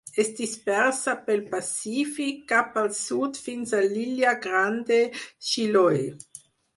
Es dispersa pel Pacífic, cap al sud fins a l'Illa Gran de Chiloé.